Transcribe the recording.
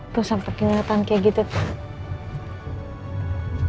tuh sampe keringetan kayak gitu tuh